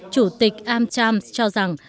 chủ tịch amtams cho rằng